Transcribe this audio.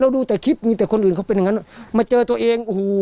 ดูแต่คลิปมีแต่คนอื่นเขาเป็นอย่างนั้นมาเจอตัวเองโอ้โห